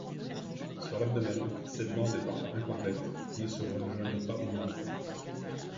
Sur l'abdomen, cette bande est parfois incomplète, ne se rejoignant pas au milieu.